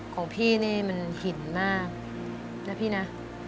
ของพี่นี่มันหินมากนะพี่นะ